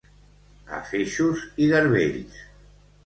A feixos i garbells.